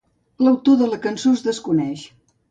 L'autor de la cançó es desconeix.